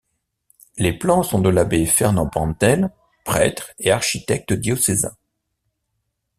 Les plans sont de l'abbé Fernand Pentel, prêtre et architecte diocésain.